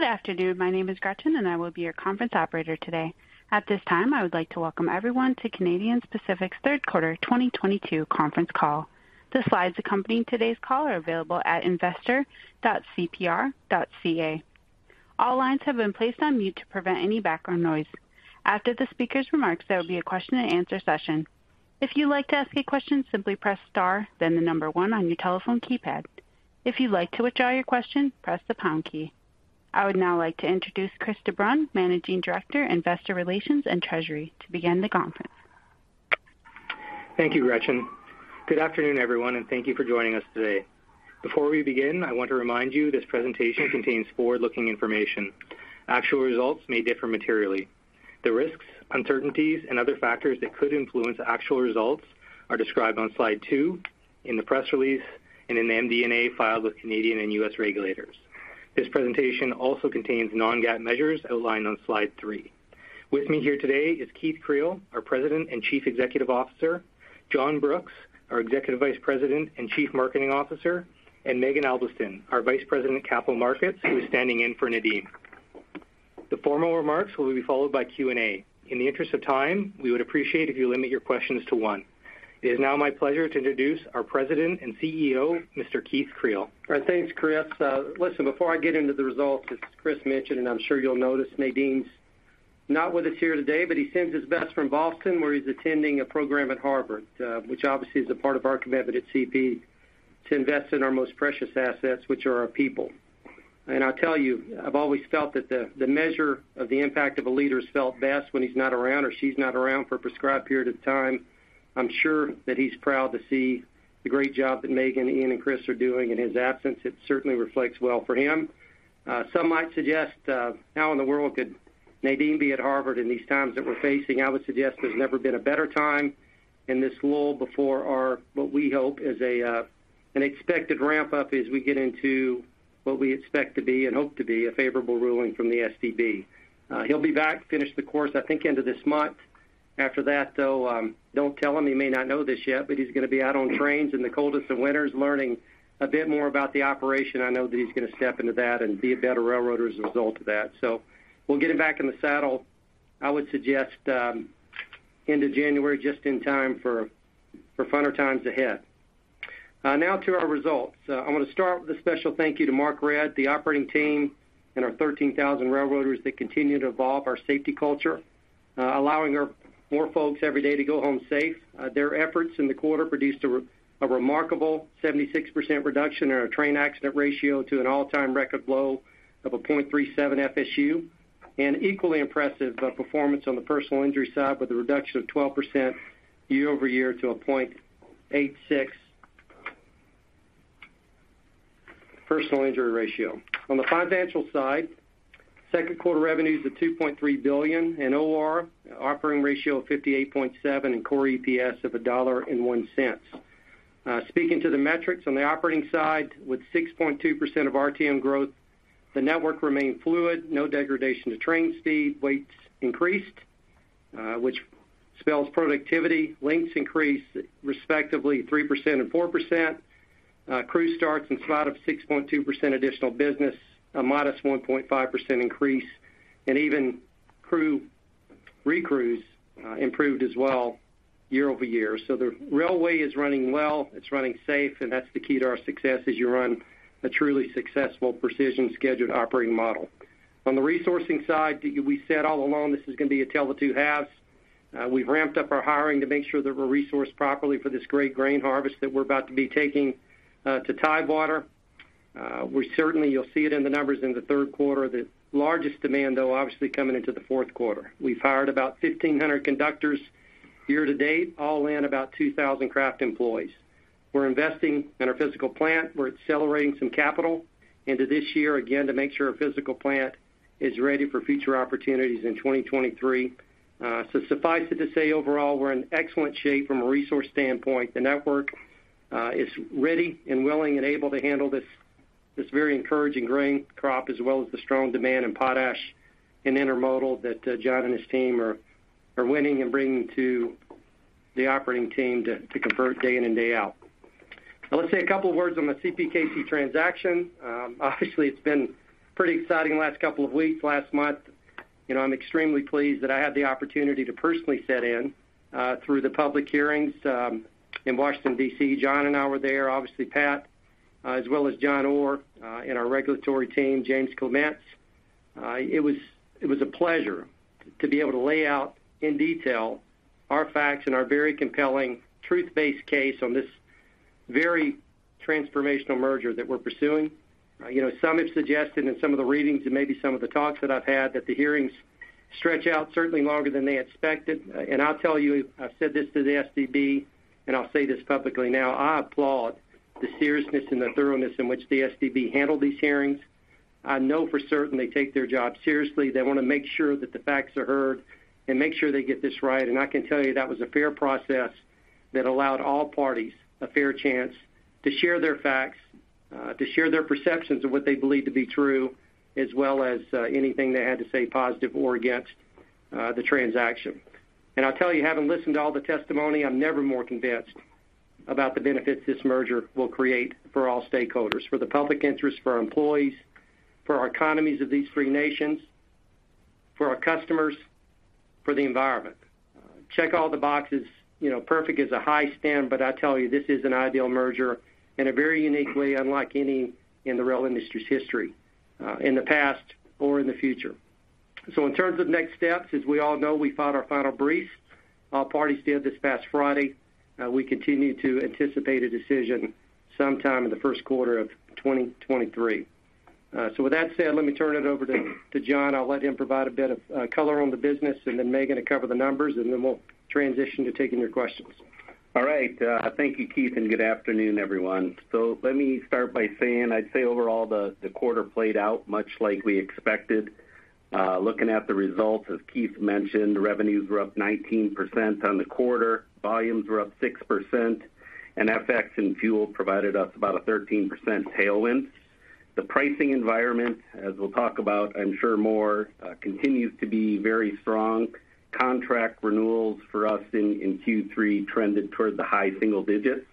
Good afternoon. My name is Gretchen and I will be your conference operator today. At this time, I would like to welcome everyone to Canadian Pacific's third quarter 2022 conference call. The slides accompanying today's call are available at investor.cpr.ca. All lines have been placed on mute to prevent any background noise. After the speaker's remarks, there will be a question and answer session. If you'd like to ask a question, simply press Star, then the number one on your telephone keypad. If you'd like to withdraw your question, press the pound key. I would now like to introduce Chris de Bruyn, Managing Director, Investor Relations and Treasury, to begin the conference. Thank you, Gretchen. Good afternoon, everyone, and thank you for joining us today. Before we begin, I want to remind you this presentation contains forward-looking information. Actual results may differ materially. The risks, uncertainties and other factors that could influence actual results are described on slide two in the press release and in the MD&A filed with Canadian and U.S. regulators. This presentation also contains non-GAAP measures outlined on slide three. With me here today is Keith Creel, our President and Chief Executive Officer, John Brooks, our Executive Vice President and Chief Marketing Officer, and Maeghan Albiston, our Vice President of Capital Markets, who is standing in for Nadeem. The formal remarks will be followed by Q&A. In the interest of time, we would appreciate if you limit your questions to one. It is now my pleasure to introduce our President and CEO, Mr. Keith Creel. All right. Thanks, Chris. Listen, before I get into the results, as Chris mentioned, and I'm sure you'll notice, Nadeem's not with us here today, but he sends his best from Boston, where he's attending a program at Harvard, which obviously is a part of our commitment at CP to invest in our most precious assets, which are our people. I'll tell you, I've always felt that the measure of the impact of a leader is felt best when he's not around or she's not around for a prescribed period of time. I'm sure that he's proud to see the great job that Maeghan, Ian and Chris are doing in his absence. It certainly reflects well for him. Some might suggest, how in the world could Nadeem be at Harvard in these times that we're facing? I would suggest there's never been a better time in this lull before our what we hope is an expected ramp up as we get into what we expect to be and hope to be a favorable ruling from the STB. He'll be back, finish the course, I think end of this month. After that, though, don't tell him. He may not know this yet, but he's gonna be out on trains in the coldest of winters learning a bit more about the operation. I know that he's gonna step into that and be a better railroader as a result of that. We'll get him back in the saddle, I would suggest, end of January, just in time for funner times ahead. Now to our results. I wanna start with a special thank you to Mark Redd, the operating team and our 13,000 railroaders that continue to evolve our safety culture, allowing more folks every day to go home safe. Their efforts in the quarter produced a remarkable 76% reduction in our train accident ratio to an all-time record low of 0.37 FSU, and equally impressive performance on the personal injury side with a reduction of 12% year-over-year to 0.86 personal injury ratio. On the financial side, second quarter revenues of 2.3 billion and OR, operating ratio of 58.7% and core EPS of 1.01 dollar. Speaking to the metrics on the operating side, with 6.2% RTM growth, the network remained fluid. No degradation to train speed. Weights increased, which spells productivity. Links increased respectively 3% and 4%. Crew starts, in spite of 6.2% additional business, a modest 1.5% increase. Even crew recrews improved as well year-over-year. The railway is running well, it's running safe, and that's the key to our success, is you run a truly successful precision scheduled operating model. On the resourcing side, we said all along this is gonna be a tale of two halves. We've ramped up our hiring to make sure that we're resourced properly for this great grain harvest that we're about to be taking to Tidewater. You'll see it in the numbers in the third quarter. The largest demand, though, obviously coming into the fourth quarter. We've hired about 1,500 conductors year-to-date, all in about 2,000 craft employees. We're investing in our physical plant. We're accelerating some capital into this year, again, to make sure our physical plant is ready for future opportunities in 2023. Suffice it to say, overall, we're in excellent shape from a resource standpoint. The network is ready and willing and able to handle this very encouraging grain crop, as well as the strong demand in potash and intermodal that John and his team are winning and bringing to the operating team to convert day in and day out. Now, let's say a couple of words on the CPKC transaction. Obviously, it's been pretty exciting the last couple of weeks, last month. You know, I'm extremely pleased that I had the opportunity to personally sit in through the public hearings in Washington, D.C. John and I were there, obviously Pat, as well as John Orr and our regulatory team, James Clements. It was a pleasure to be able to lay out in detail our facts and our very compelling truth-based case on this very transformational merger that we're pursuing. You know, some have suggested in some of the readings and maybe some of the talks that I've had that the hearings stretch out certainly longer than they expected. I'll tell you, I've said this to the STB, and I'll say this publicly now. I applaud the seriousness and the thoroughness in which the STB handled these hearings. I know for certain they take their job seriously. They wanna make sure that the facts are heard and make sure they get this right. I can tell you that was a fair process that allowed all parties a fair chance to share their facts, to share their perceptions of what they believe to be true, as well as, anything they had to say positive or against, the transaction. I'll tell you, having listened to all the testimony, I'm never more convinced about the benefits this merger will create for all stakeholders, for the public interest, for our employees, for our economies of these three nations, for our customers, for the environment. Check all the boxes, you know, perfect is a high standard, but I tell you this is an ideal merger in a very uniquely unlike any in the rail industry's history, in the past or in the future. In terms of next steps, as we all know, we filed our final briefs. All parties did this past Friday. We continue to anticipate a decision sometime in the first quarter of 2023. With that said, let me turn it over to John. I'll let him provide a bit of color on the business and then Maeghan to cover the numbers, and then we'll transition to taking your questions. All right. Thank you, Keith, and good afternoon, everyone. Let me start by saying, I'd say overall the quarter played out much like we expected. Looking at the results, as Keith mentioned, revenues were up 19% on the quarter. Volumes were up 6%, and FX and fuel provided us about a 13% tailwind. The pricing environment, as we'll talk about, I'm sure more, continues to be very strong. Contract renewals for us in Q3 trended towards the high single digits.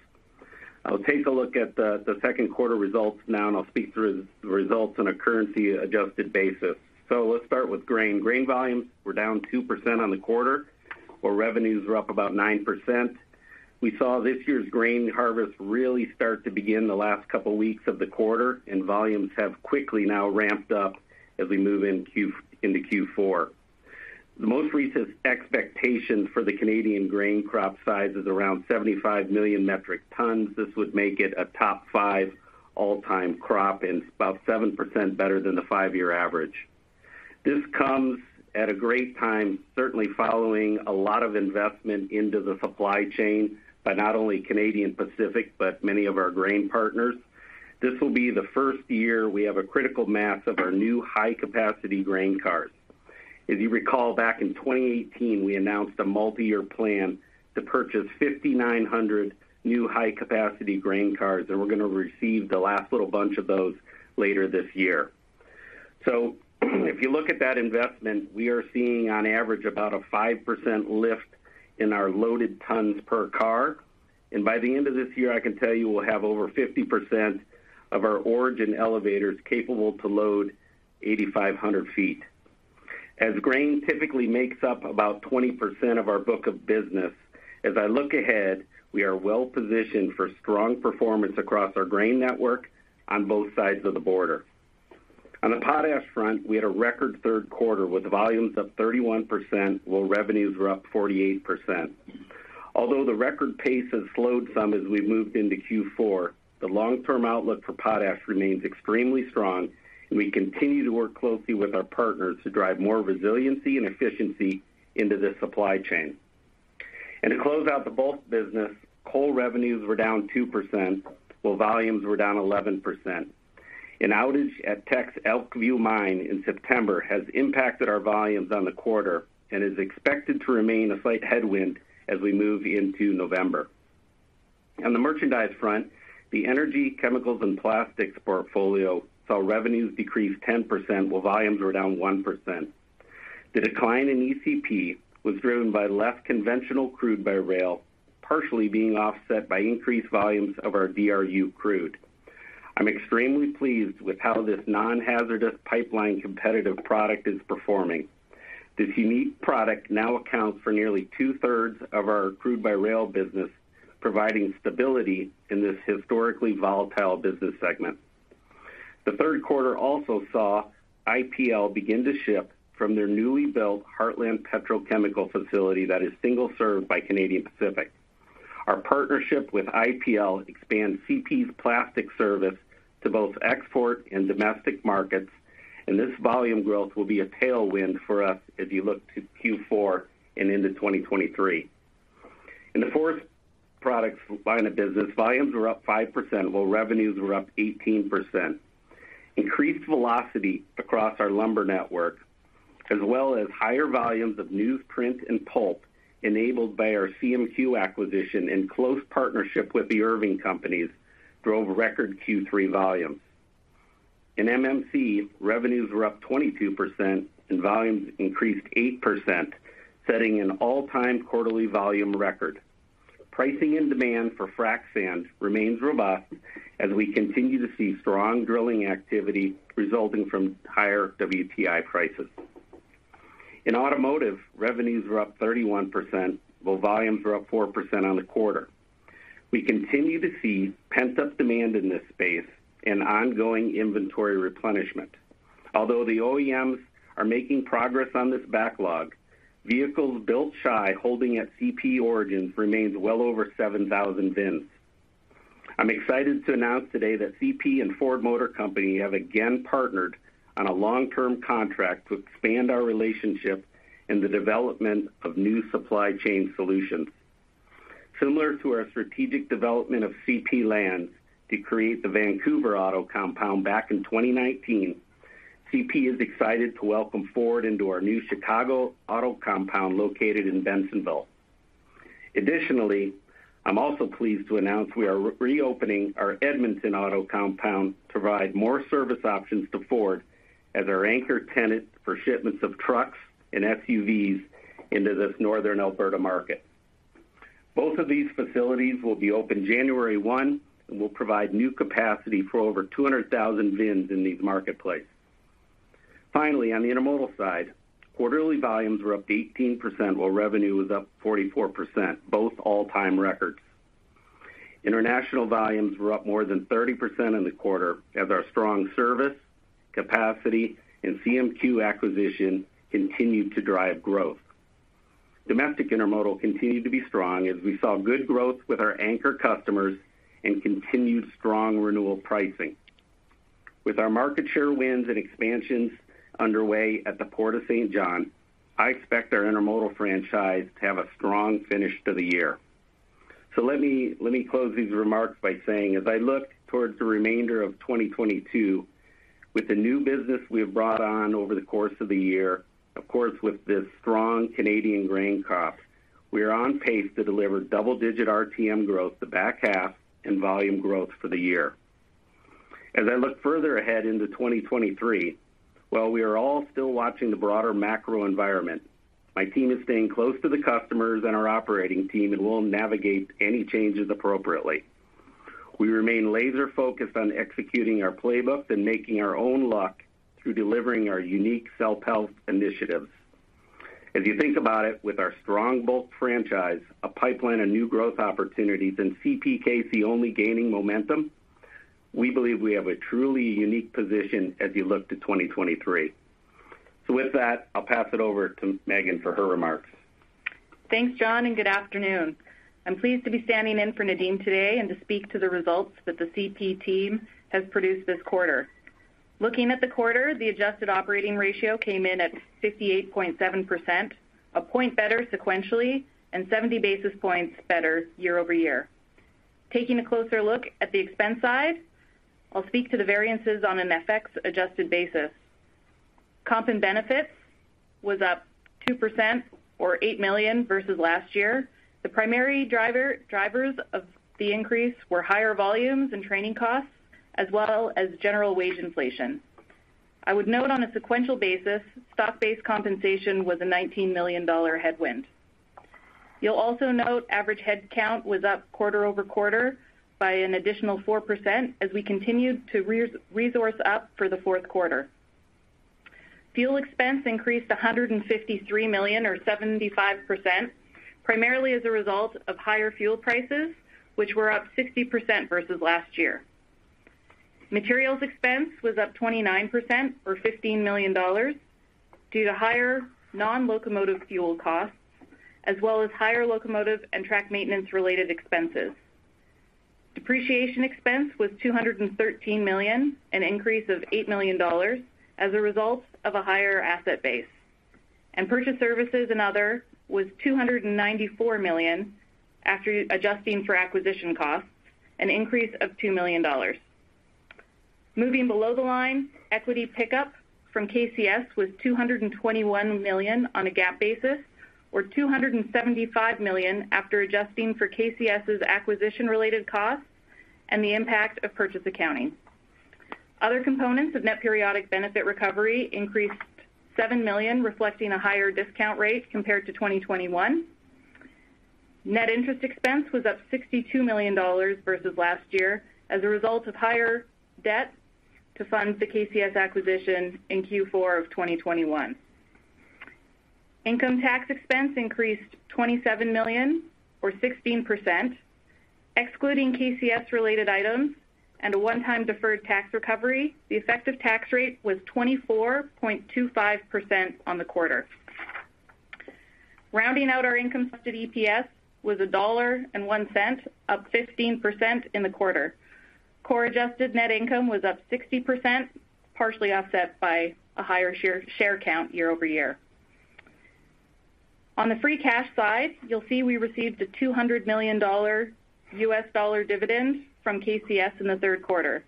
I'll take a look at the second quarter results now, and I'll speak through the results on a currency adjusted basis. Let's start with grain. Grain volumes were down 2% on the quarter, while revenues were up about 9%. We saw this year's grain harvest really start to begin the last couple weeks of the quarter, and volumes have quickly now ramped up as we move into Q4. The most recent expectation for the Canadian grain crop size is around 75 million metric tons. This would make it a top five all-time crop, and it's about 7% better than the five-year average. This comes at a great time, certainly following a lot of investment into the supply chain by not only Canadian Pacific, but many of our grain partners. This will be the first year we have a critical mass of our new high-capacity grain cars. As you recall back in 2018, we announced a multi-year plan to purchase 5,900 new high-capacity grain cars, and we're gonna receive the last little bunch of those later this year. If you look at that investment, we are seeing on average about a 5% lift in our loaded tons per car. By the end of this year, I can tell you we'll have over 50% of our origin elevators capable to load 8,500 feet. As grain typically makes up about 20% of our book of business, as I look ahead, we are well positioned for strong performance across our grain network on both sides of the border. On the potash front, we had a record third quarter with volumes up 31%, while revenues were up 48%. Although the record pace has slowed some as we've moved into Q4, the long-term outlook for potash remains extremely strong, and we continue to work closely with our partners to drive more resiliency and efficiency into the supply chain. To close out the bulk business, coal revenues were down 2%, while volumes were down 11%. An outage at Teck's Elkview Mine in September has impacted our volumes on the quarter and is expected to remain a slight headwind as we move into November. On the merchandise front, the energy, chemicals, and plastics portfolio saw revenues decrease 10%, while volumes were down 1%. The decline in ECP was driven by less conventional crude by rail, partially being offset by increased volumes of our DRU crude. I'm extremely pleased with how this non-hazardous pipeline competitive product is performing. This unique product now accounts for nearly 2/3 of our crude by rail business, providing stability in this historically volatile business segment. The third quarter also saw IPL begin to ship from their newly built Heartland Petrochemical facility that is single-served by Canadian Pacific. Our partnership with IPL expands CP's plastics service to both export and domestic markets, and this volume growth will be a tailwind for us as you look to Q4 and into 2023. In the forest products line of business, volumes were up 5%, while revenues were up 18%. Increased velocity across our lumber network, as well as higher volumes of newsprint and pulp enabled by our CMQ acquisition in close partnership with the Irving companies, drove record Q3 volumes. In MMC, revenues were up 22% and volumes increased 8%, setting an all-time quarterly volume record. Pricing and demand for frac sand remains robust as we continue to see strong drilling activity resulting from higher WTI prices. In automotive, revenues were up 31%, while volumes were up 4% on the quarter. We continue to see pent-up demand in this space and ongoing inventory replenishment. Although the OEMs are making progress on this backlog, vehicles built still holding at CP origins remains well over 7,000 VINs. I'm excited to announce today that CP and Ford Motor Company have again partnered on a long-term contract to expand our relationship in the development of new supply chain solutions. Similar to our strategic development of CP Land to create the Vancouver Auto Compound back in 2019, CP is excited to welcome Ford into our new Chicago Auto Compound located in Bensenville. Additionally, I'm also pleased to announce we are reopening our Edmonton Auto Compound to provide more service options to Ford, as our anchor tenant for shipments of trucks and SUVs into this northern Alberta market. Both of these facilities will be open January 1 and will provide new capacity for over 200,000 VINs in these marketplaces. Finally, on the intermodal side, quarterly volumes were up 18%, while revenue was up 44%, both all-time records. International volumes were up more than 30% in the quarter as our strong service, capacity, and CMQ acquisition continued to drive growth. Domestic intermodal continued to be strong as we saw good growth with our anchor customers and continued strong renewal pricing. With our market share wins and expansions underway at the Port of Saint John, I expect our intermodal franchise to have a strong finish to the year. Let me close these remarks by saying, as I look towards the remainder of 2022, with the new business we have brought on over the course of the year, of course, with this strong Canadian grain crop, we are on pace to deliver double-digit RTM growth the back half and volume growth for the year. As I look further ahead into 2023, while we are all still watching the broader macro environment, my team is staying close to the customers and our operating team, and we'll navigate any changes appropriately. We remain laser-focused on executing our playbook and making our own luck through delivering our unique self-help initiatives. If you think about it with our strong bulk franchise, a pipeline of new growth opportunities, and CPKC only gaining momentum, we believe we have a truly unique position as you look to 2023. With that, I'll pass it over to Maeghan for her remarks. Thanks, John, and good afternoon. I'm pleased to be standing in for Nadeem today and to speak to the results that the CP team has produced this quarter. Looking at the quarter, the adjusted operating ratio came in at 58.7%, a point better sequentially and 70 basis points better year-over-year. Taking a closer look at the expense side, I'll speak to the variances on an FX-adjusted basis. Comp and benefits was up 2% or 8 million versus last year. The primary drivers of the increase were higher volumes and training costs, as well as general wage inflation. I would note on a sequential basis, stock-based compensation was a 19 million dollar headwind. You'll also note average headcount was up quarter-over-quarter by an additional 4% as we continued to resource up for the fourth quarter. Fuel expense increased 153 million or 75%, primarily as a result of higher fuel prices, which were up 60% versus last year. Materials expense was up 29% or 15 million dollars due to higher non-locomotive fuel costs, as well as higher locomotive and track maintenance related expenses. Depreciation expense was 213 million, an increase of 8 million dollars as a result of a higher asset base. Purchased services and other was 294 million after adjusting for acquisition costs, an increase of 2 million dollars. Moving below the line, equity pickup from KCS was 221 million on a GAAP basis, or 275 million after adjusting for KCS's acquisition-related costs and the impact of purchase accounting. Other components of net periodic benefit recovery increased 7 million, reflecting a higher discount rate compared to 2021. Net interest expense was up 62 million dollars versus last year as a result of higher debt to fund the KCS acquisition in Q4 of 2021. Income tax expense increased 27 million or 16%. Excluding KCS related items and a one-time deferred tax recovery, the effective tax rate was 24.25% on the quarter. Rounding out our income EPS was 1.01 dollar, up 15% in the quarter. Core adjusted net income was up 60%, partially offset by a higher share count year-over-year. On the free cash side, you'll see we received $200 million U.S. dollar dividends from KCS in the third quarter.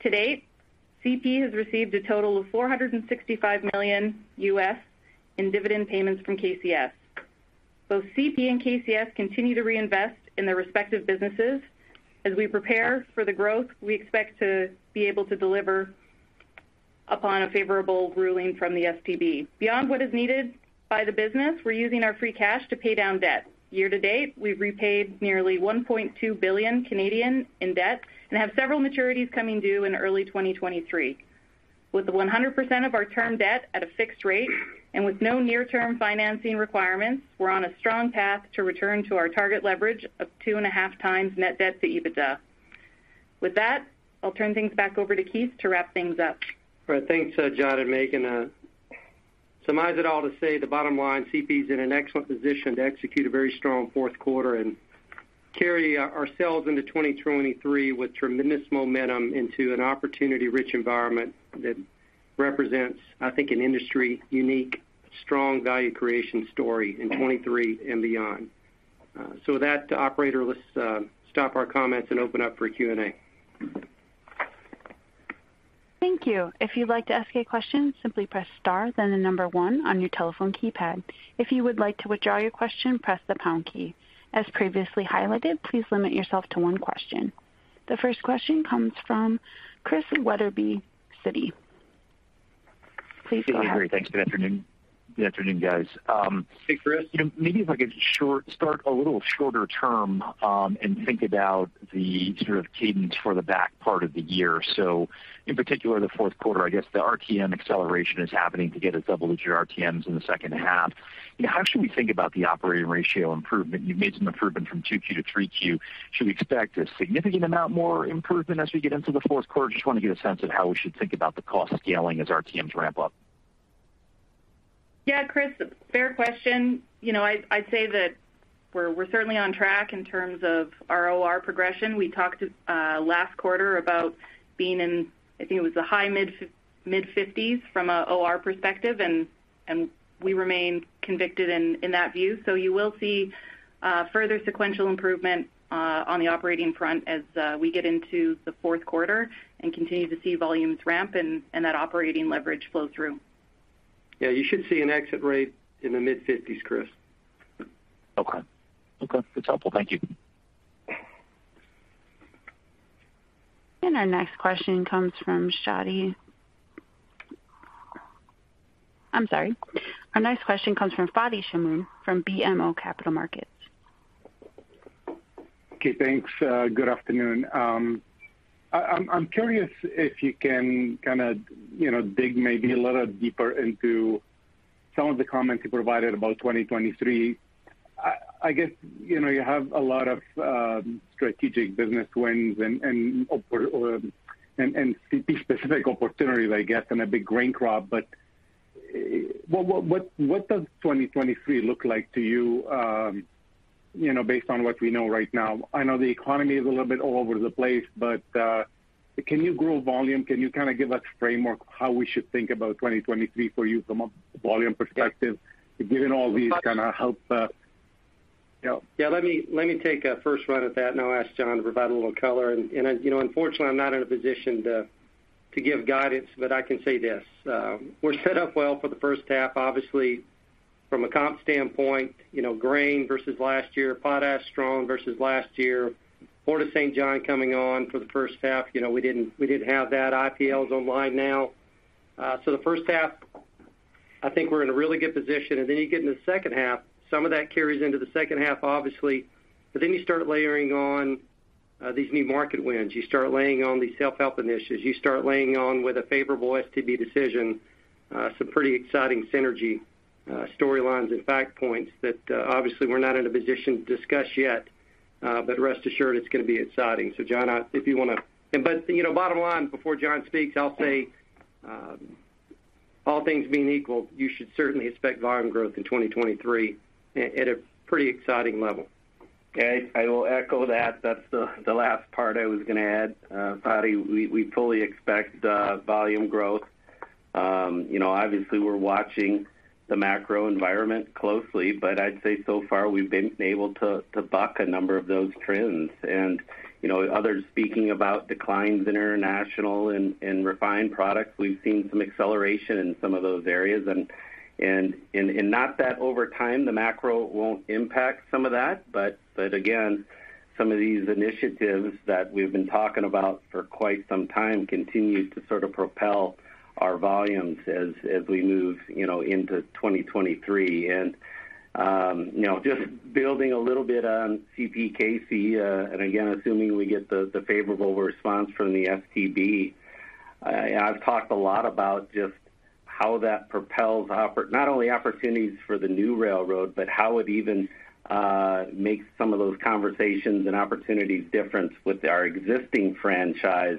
To date, CP has received a total of $465 million in dividend payments from KCS. Both CP and KCS continue to reinvest in their respective businesses as we prepare for the growth we expect to be able to deliver upon a favorable ruling from the STB. Beyond what is needed by the business, we're using our free cash to pay down debt. Year-to-date, we've repaid nearly 1.2 billion in debt and have several maturities coming due in early 2023. With 100% of our term debt at a fixed rate and with no near-term financing requirements, we're on a strong path to return to our target leverage of 2.5x net debt to EBITDA. With that, I'll turn things back over to Keith to wrap things up. All right. Thanks, John and Maeghan. To sum it all up to say the bottom line, CP is in an excellent position to execute a very strong fourth quarter and carry ourselves into 2023 with tremendous momentum into an opportunity-rich environment that represents, I think, an industry unique, strong value creation story in 2023 and beyond. With that, operator, let's stop our comments and open up for Q&A. Thank you. If you'd like to ask a question, simply press star then one on your telephone keypad. If you would like to withdraw your question, press the pound key. As previously highlighted, please limit yourself to one question. The first question comes from Chris Wetherbee, Citi. Please go ahead. Good afternoon. Thanks. Good afternoon. Good afternoon, guys. Hey, Chris. You know, maybe if I could start a little shorter term, and think about the sort of cadence for the back part of the year. In particular, the fourth quarter, I guess the RTM acceleration is happening to get us double-digit RTMs in the second half. You know, how should we think about the operating ratio improvement? You've made some improvement from 2Q-3Q. Should we expect a significant amount more improvement as we get into the fourth quarter? Just wanna get a sense of how we should think about the cost scaling as RTMs ramp up. Yeah, Chris, fair question. You know, I'd say that we're certainly on track in terms of our OR progression. We talked last quarter about being in, I think it was the high mid-50s% from a OR perspective, and we remain convicted in that view. You will see further sequential improvement on the operating front as we get into the fourth quarter and continue to see volumes ramp and that operating leverage flow through. Yeah, you should see an exit rate in the mid-50s%, Chris. Okay. Okay, that's helpful. Thank you. Our next question comes from Fadi Chamoun from BMO Capital Markets. Okay, thanks. Good afternoon. I'm curious if you can kinda, you know, dig maybe a little deeper into some of the comments you provided about 2023. I guess, you know, you have a lot of strategic business wins and CP specific opportunities, I guess, and a big grain crop. What does 2023 look like to you know, based on what we know right now? I know the economy is a little bit all over the place, but can you grow volume? Can you kinda give us framework how we should think about 2023 for you from a volume perspective, given all these kinda help, you know? Yeah, let me take a first run at that, and I'll ask John to provide a little color. You know, unfortunately, I'm not in a position to give guidance, but I can say this: We're set up well for the first half, obviously from a comp standpoint, you know, grain versus last year, potash strong versus last year. Port of Saint John coming on for the first half. You know, we didn't have that. IPL is online now. The first half, I think we're in a really good position. Then you get in the second half, some of that carries into the second half, obviously. Then you start layering on these new market wins. You start laying on these self-help initiatives. You start laying on with a favorable STB decision, some pretty exciting synergy storylines and fact points that obviously we're not in a position to discuss yet. Rest assured, it's gonna be exciting. John, you know, bottom line before John speaks, I'll say, all things being equal, you should certainly expect volume growth in 2023 at a pretty exciting level. Okay. I will echo that. That's the last part I was gonna add. Fadi, we fully expect volume growth. You know, obviously we're watching the macro environment closely, but I'd say so far, we've been able to buck a number of those trends. You know, others speaking about declines in international and refined products, we've seen some acceleration in some of those areas. Not that over time, the macro won't impact some of that, but again, some of these initiatives that we've been talking about for quite some time continue to sort of propel our volumes as we move, you know, into 2023. You know, just building a little bit on CPKC, and again, assuming we get the favorable response from the STB. Yeah, I've talked a lot about just how that propels not only opportunities for the new railroad, but how it even makes some of those conversations and opportunities different with our existing franchise.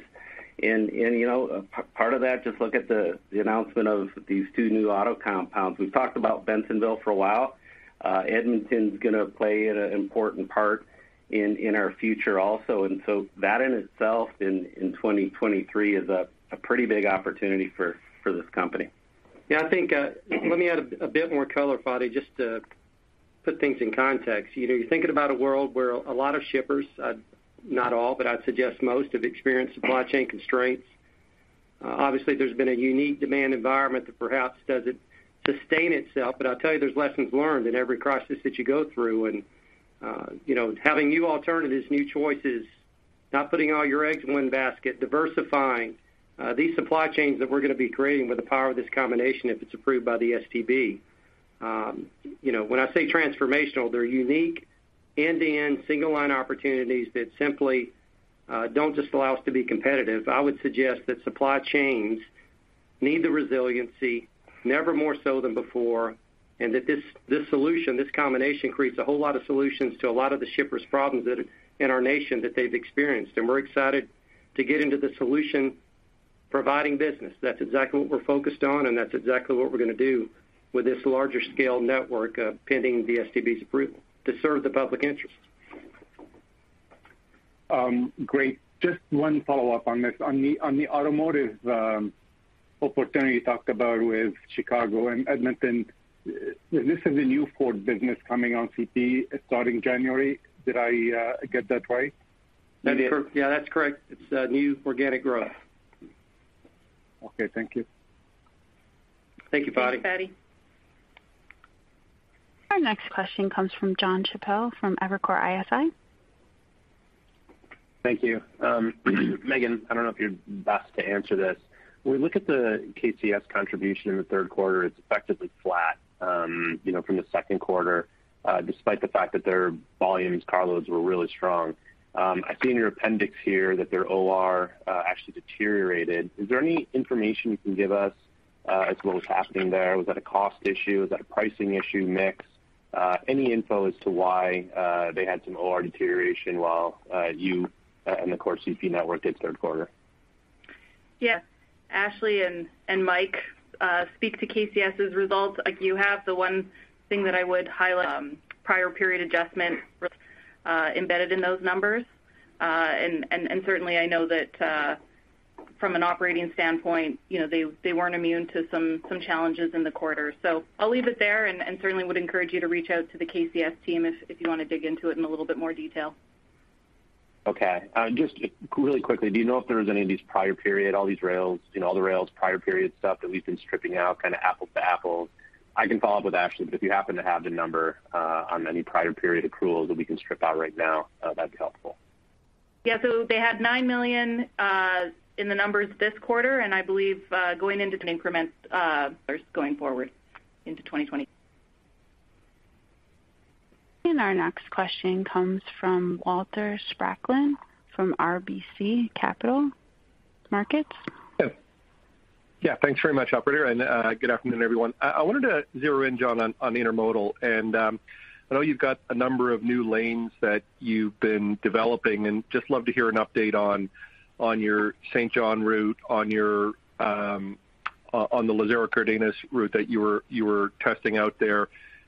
You know, part of that, just look at the announcement of these two new auto compounds. We've talked about Bensenville for a while. Edmonton's gonna play an important part in our future also. That in itself in 2023 is a pretty big opportunity for this company. Yeah, I think, let me add a bit more color, Fadi, just to put things in context. You know, you're thinking about a world where a lot of shippers, not all, but I'd suggest most have experienced supply chain constraints. Obviously there's been a unique demand environment that perhaps doesn't sustain itself, but I'll tell you there's lessons learned in every crisis that you go through. You know, having new alternatives, new choices, not putting all your eggs in one basket, diversifying, these supply chains that we're gonna be creating with the power of this combination if it's approved by the STB. You know, when I say transformational, they're unique end-to-end single line opportunities that simply don't just allow us to be competitive. I would suggest that supply chains need the resiliency never more so than before, and that this solution, this combination creates a whole lot of solutions to a lot of the shippers' problems that in our nation that they've experienced. We're excited to get into the solution providing business. That's exactly what we're focused on, and that's exactly what we're gonna do with this larger scale network, pending the STB's approval to serve the public interest. Great. Just one follow-up on this. On the automotive opportunity you talked about with Chicago and Edmonton, this is a new Ford business coming on CP starting January. Did I get that right? That's correct. Yeah, that's correct. It's new organic growth. Okay, thank you. Thank you, Fadi. Thanks, Fadi. Our next question comes from Jon Chappell from Evercore ISI. Thank you. Maeghan, I don't know if you're best to answer this. When we look at the KCS contribution in the third quarter, it's effectively flat, you know, from the second quarter, despite the fact that their volumes carloads were really strong. I see in your appendix here that their OR actually deteriorated. Is there any information you can give us as to what was happening there? Was that a cost issue? Was that a pricing issue, mix? Any info as to why they had some OR deterioration while you and the core CP network did third quarter? Yeah. Ashley and Mike, speak to KCS' results like you have. The one thing that I would highlight, prior period adjustment, embedded in those numbers. Certainly I know that, from an operating standpoint, you know, they weren't immune to some challenges in the quarter. I'll leave it there and certainly would encourage you to reach out to the KCS team if you wanna dig into it in a little bit more detail. Okay. Just really quickly, do you know if there was any of these prior period, all these rails, you know, all the rails, prior period stuff that we've been stripping out, kind of apples to apples? I can follow up with Ashley, but if you happen to have the number on any prior period accruals that we can strip out right now, that'd be helpful. They had 9 million in the numbers this quarter, and I believe going into some increments going forward into 2020. Our next question comes from Walter Spracklin from RBC Capital Markets. Yeah. Thanks very much, operator, and good afternoon, everyone. I wanted to zero in, John, on intermodal. I know you've got a number of new lanes that you've been developing and just love to hear an update on your Saint John route, on your Lázaro Cárdenas route that you were testing out there.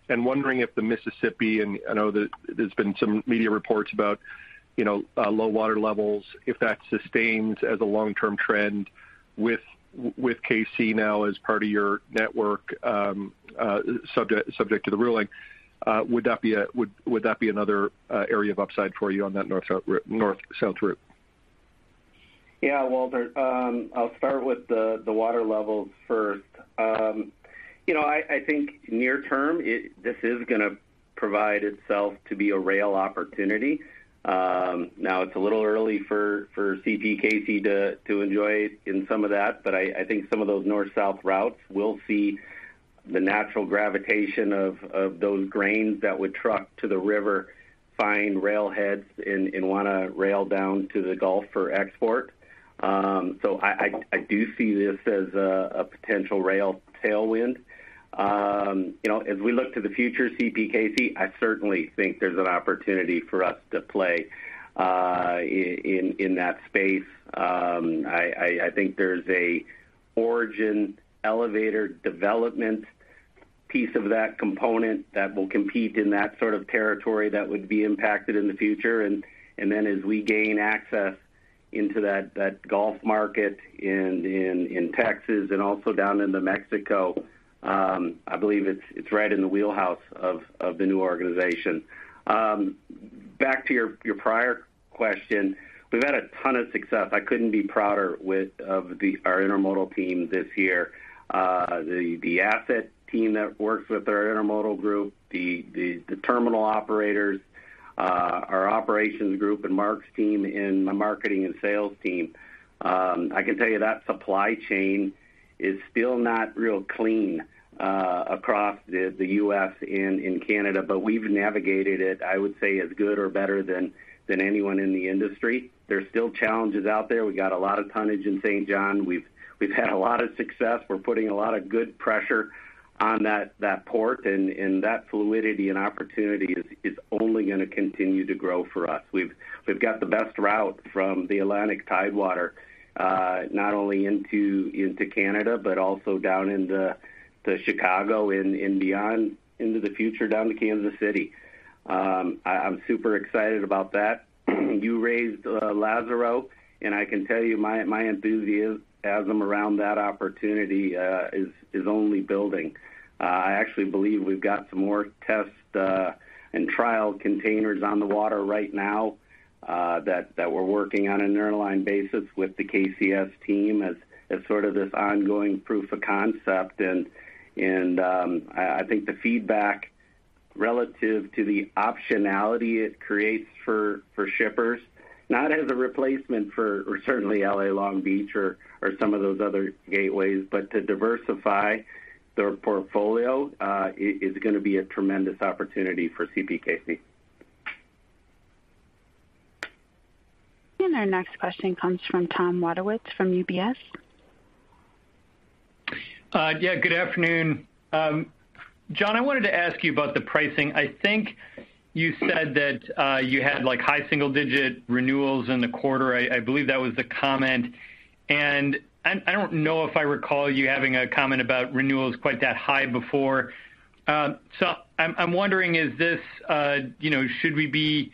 Wondering if the Mississippi, and I know that there's been some media reports about, you know, low water levels, if that sustains as a long-term trend with KC now as part of your network, subject to the ruling, would that be another area of upside for you on that North-South route? Yeah. Walter, I'll start with the water levels first. You know, I think near term this is gonna prove itself to be a rail opportunity. Now it's a little early for CPKC to join in some of that, but I think some of those North-South routes will see the natural gravitation of those grains that would truck to the river, find railheads and wanna rail down to the Gulf for export. I do see this as a potential rail tailwind. You know, as we look to the future CPKC, I certainly think there's an opportunity for us to play in that space. I think there's a origin elevator development piece of that component that will compete in that sort of territory that would be impacted in the future. And then as we gain access into that Gulf market in Texas and also down into Mexico, I believe it's right in the wheelhouse of the new organization. Back to your prior question, we've had a ton of success. I couldn't be prouder of our intermodal team this year. The asset team that works with our intermodal group, the terminal operators, our operations group and Mark's team and the marketing and sales team. I can tell you that supply chain is still not real clean across the U.S. and in Canada, but we've navigated it, I would say, as good or better than anyone in the industry. There's still challenges out there. We got a lot of tonnage in Saint John. We've had a lot of success. We're putting a lot of good pressure on that port, and that fluidity and opportunity is only gonna continue to grow for us. We've got the best route from the Atlantic Tidewater, not only into Canada, but also down into Chicago and beyond into the future down to Kansas City. I'm super excited about that. You raised Lázaro, and I can tell you my enthusiasm around that opportunity is only building. I actually believe we've got some more test and trial containers on the water right now that we're working on an airline basis with the KCS team as sort of this ongoing proof of concept. I think the feedback relative to the optionality it creates for shippers, not as a replacement for certainly L.A. Long Beach or some of those other gateways, but to diversify their portfolio, is gonna be a tremendous opportunity for CPKC. Our next question comes from Tom Wadewitz from UBS. Yeah, good afternoon. John, I wanted to ask you about the pricing. I think you said that you had, like, high single digit renewals in the quarter. I believe that was the comment. I don't know if I recall you having a comment about renewals quite that high before. I'm wondering, is this, you know, should we be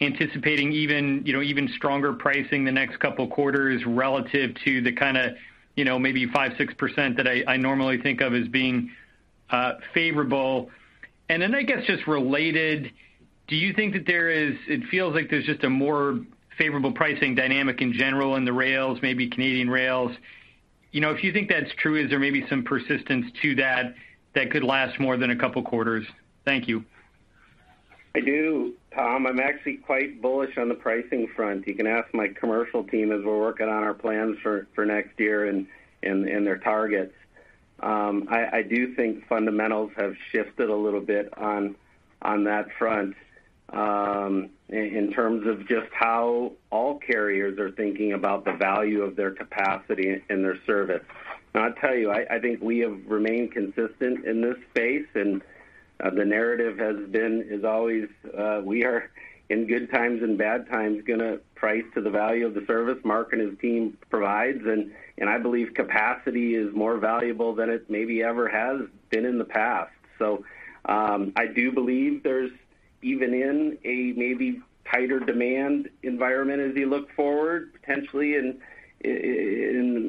anticipating even, you know, even stronger pricing the next couple quarters relative to the kind of, you know, maybe 5%-6% that I normally think of as being favorable? I guess just related, do you think that it feels like there's just a more favorable pricing dynamic in general in the rails, maybe Canadian rails. You know, if you think that's true, is there maybe some persistence to that could last more than a couple quarters? Thank you. I do, Tom. I'm actually quite bullish on the pricing front. You can ask my commercial team as we're working on our plans for next year and their targets. I do think fundamentals have shifted a little bit on that front, in terms of just how all carriers are thinking about the value of their capacity and their service. I'll tell you, I think we have remained consistent in this space, and the narrative is always, we are in good times and bad times gonna price to the value of the service Mark and his team provides. I believe capacity is more valuable than it maybe ever has been in the past. I do believe there's even in a maybe tighter demand environment as you look forward, potentially in,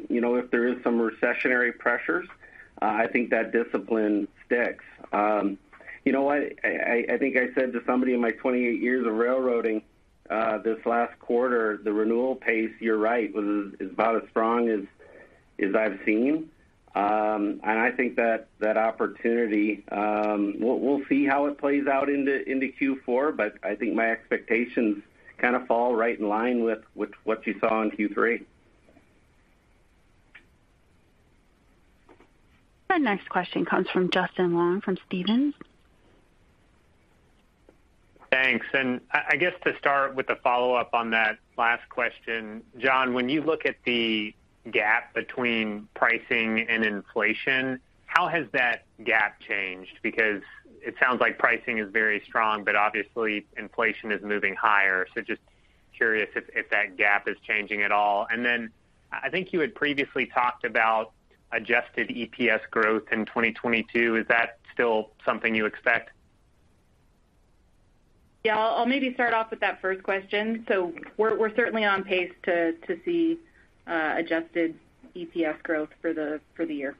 you know, if there is some recessionary pressures. I think that discipline sticks. You know what? I think I said to somebody in my 28 years of railroading, this last quarter, the renewal pace, you're right, is about as strong as I've seen. I think that opportunity, we'll see how it plays out into Q4, but I think my expectations kind of fall right in line with what you saw in Q3. Our next question comes from Justin Long from Stephens. Thanks. I guess to start with a follow-up on that last question. John, when you look at the gap between pricing and inflation, how has that gap changed? Because it sounds like pricing is very strong, but obviously inflation is moving higher. Just curious if that gap is changing at all. Then I think you had previously talked about adjusted EPS growth in 2022. Is that still something you expect? Yeah. I'll maybe start off with that first question. We're certainly on pace to see adjusted EPS growth for the year.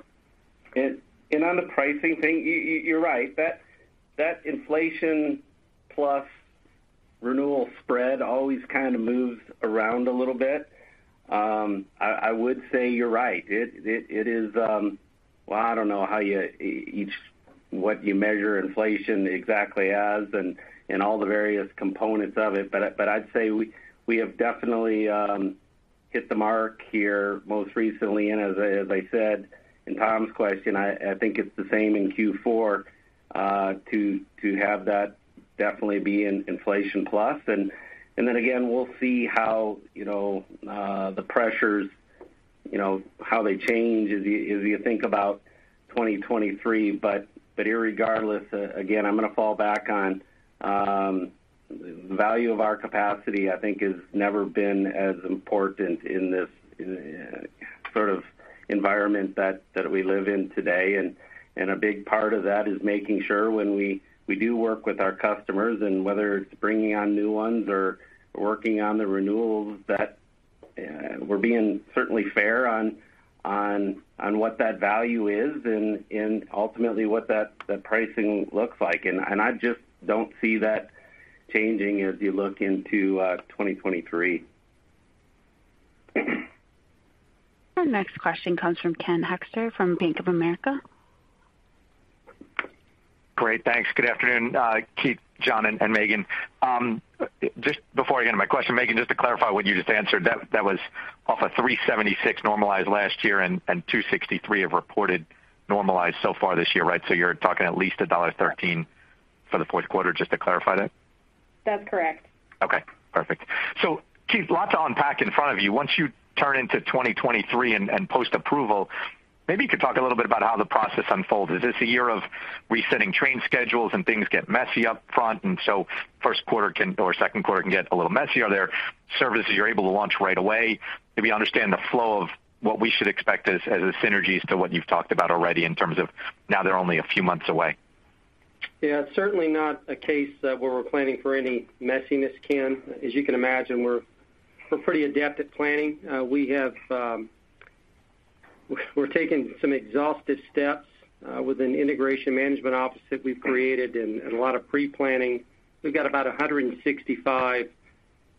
On the pricing thing, you're right. That inflation plus renewal spread always kind of moves around a little bit. I would say you're right. It is. Well, I don't know how you measure inflation exactly and all the various components of it, but I'd say we have definitely hit the mark here most recently. As I said in Tom's question, I think it's the same in Q4 to have that definitely be in inflation plus. Then again, we'll see how, you know, the pressures, you know, how they change as you think about 2023. Irregardless, again, I'm gonna fall back on value of our capacity. I think has never been as important in this sort of environment that we live in today. A big part of that is making sure when we do work with our customers, and whether it's bringing on new ones or working on the renewals, that we're being certainly fair on what that value is and ultimately what that pricing looks like. I just don't see that changing as you look into 2023. Our next question comes from Ken Hoexter from Bank of America. Great. Thanks. Good afternoon, Keith, John, and Maeghan. Just before I get into my question, Maeghan, just to clarify what you just answered, that was off of 376 million normalized last year and 263 million or reported normalized so far this year, right? You're talking at least dollar 113 million for the fourth quarter, just to clarify that? That's correct. Okay, perfect. Keith, lots to unpack in front of you. Once you turn into 2023 and post-approval, maybe you could talk a little bit about how the process unfolds. Is this a year of resetting train schedules and things get messy up front, and so first quarter can or second quarter can get a little messy? Are there services you're able to launch right away? Maybe understand the flow of what we should expect as the synergies to what you've talked about already in terms of now they're only a few months away. Yeah, it's certainly not a case where we're planning for any messiness, Ken. As you can imagine, we're pretty adept at planning. We're taking some exhaustive steps with an integration management office that we've created and a lot of pre-planning. We've got about 165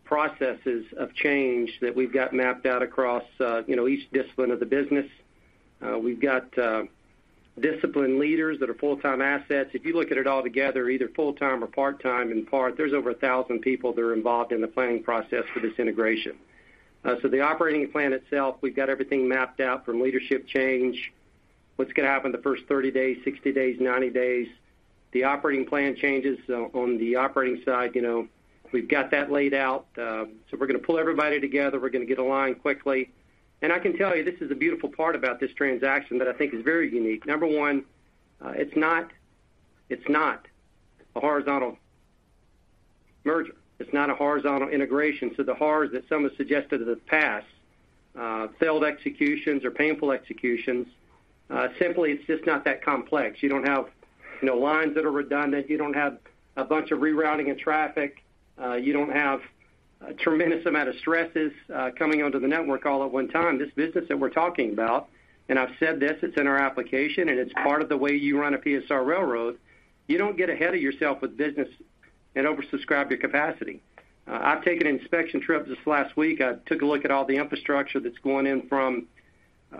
processes of change that we've got mapped out across, you know, each discipline of the business. We've got discipline leaders that are full-time assets. If you look at it all together, either full-time or part-time, in part, there's over 1,000 people that are involved in the planning process for this integration. The operating plan itself, we've got everything mapped out from leadership change, what's gonna happen the first 30 days, 60 days, 90 days. The operating plan changes on the operating side, you know, we've got that laid out. We're gonna pull everybody together, we're gonna get aligned quickly. I can tell you this is the beautiful part about this transaction that I think is very unique. Number one, it's not a horizontal merger. It's not a horizontal integration. The horrors that some have suggested in the past, failed executions or painful executions, simply it's just not that complex. You don't have, you know, lines that are redundant. You don't have a bunch of rerouting of traffic. You don't have a tremendous amount of stresses coming onto the network all at one time. This business that we're talking about, and I've said this, it's in our application, and it's part of the way you run a PSR railroad. You don't get ahead of yourself with business and oversubscribe your capacity. I've taken an inspection trip this last week. I took a look at all the infrastructure that's going in from